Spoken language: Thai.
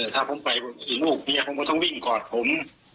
ถ้าผมไปผมต้องวิ่งกอดผม